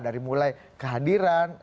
dari mulai kehadiran